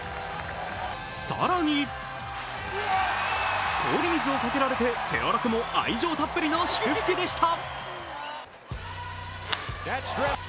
更に、氷水をかけられて手荒くも愛情たっぷりの祝福でした。